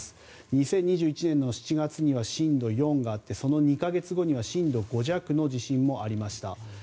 ２０２１年の７月には震度４があってその２か月後には震度５弱の地震もありました。